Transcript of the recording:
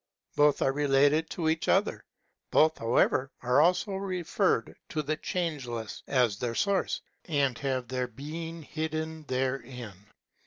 Both are related to each other ; both however are also referred to the Changeless as their source, and have their being hidden therein.